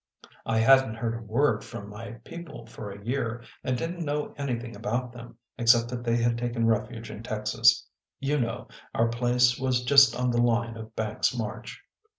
I hadn t heard a word from my people for a year and didn t know anything about them except that they had taken refuge in Texas you know our place was just on the line of Banks s march."